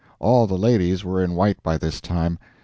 All the ladies were in white by this time.